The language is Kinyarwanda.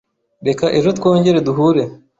Reka ejo twongere duhure.